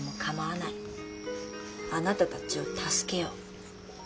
あなたたちを助けよう。